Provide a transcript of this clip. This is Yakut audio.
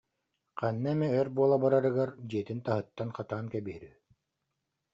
Ханна эмэ өр буола барарыгар дьиэтин таһыттан хатаан кэбиһэр үһү